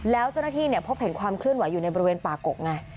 แล้วเจ้าหน้าที่พบเห็นความเคลื่อนไหวอยู่ในบริเวณป่ากกไง